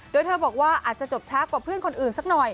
โดยเธอบอกว่าอาจจะจบช้ากว่าเพื่อนคนอื่นสักหน่อย